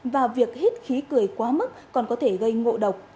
và việc hít khí cười quá mức còn có thể gây ngộ độc